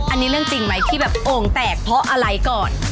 อันนี้เรื่องจริงไหมที่แบบโอ่งแตกเพราะอะไรก่อน